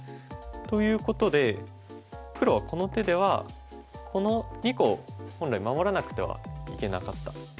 ということで黒はこの手ではこの２個を本来守らなくてはいけなかった。